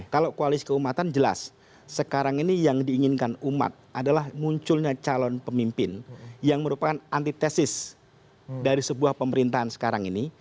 kalau koalisi keumatan jelas sekarang ini yang diinginkan umat adalah munculnya calon pemimpin yang merupakan antitesis dari sebuah pemerintahan sekarang ini